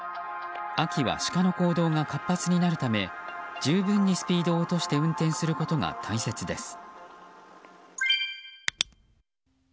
秋はシカの行動が活発になるため十分にスピードを落として運転することが大切です。